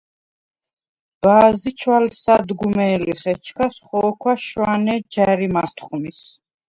ბა̄ზი ჩვალსადგვმე̄ლიხ, ეჩქას ხო̄ქვა შვანე ჯა̈რი მათხვმის: